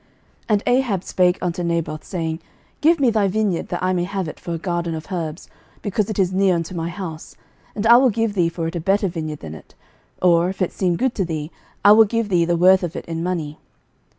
11:021:002 And Ahab spake unto Naboth, saying, Give me thy vineyard, that I may have it for a garden of herbs, because it is near unto my house: and I will give thee for it a better vineyard than it; or, if it seem good to thee, I will give thee the worth of it in money.